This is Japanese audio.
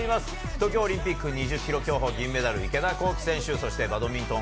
東京オリンピック２０ｋｍ競歩銀メダル、池田向希選手そしてバドミントン